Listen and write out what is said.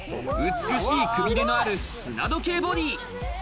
美しいくびれのある砂時計ボディ。